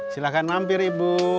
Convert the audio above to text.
silahkan mampir ibu